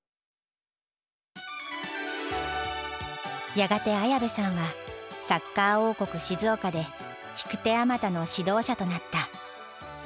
やがて綾部さんはサッカー王国静岡で引く手あまたの指導者となった。